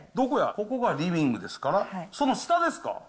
ここがリビングですから、その下ですか？